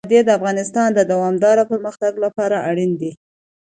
وادي د افغانستان د دوامداره پرمختګ لپاره اړین دي.